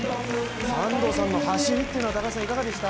安藤さんの走りっていうのはいかがでした？